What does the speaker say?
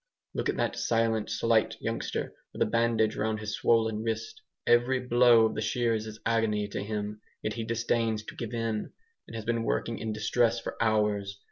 Look at that silent slight youngster, with a bandage round his swollen wrist. Every "blow" of the shears is agony to him, yet he disdains to give in, and has been working "in distress" for hours.